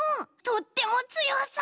とってもつよそう！